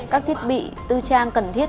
các thiết bị tư trang cần thiết